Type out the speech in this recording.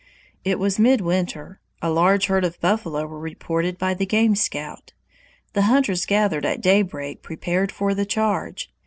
It was midwinter. A large herd of buffalo was reported by the game scout. The hunters gathered at daybreak prepared for the charge.